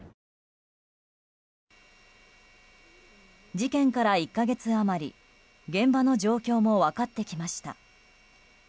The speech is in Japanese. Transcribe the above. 事件から１か月余り現場の状況も分かってきました。